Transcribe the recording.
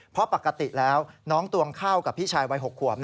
เพราะปกติแล้วน้องตวงข้าวกับพี่ชายวัย๖ขวบ